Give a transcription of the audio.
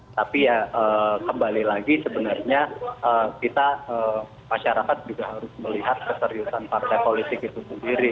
tapi ya kembali lagi sebenarnya kita masyarakat juga harus melihat keseriusan partai politik itu sendiri